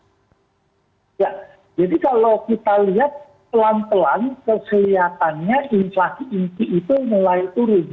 jadi kalau kita lihat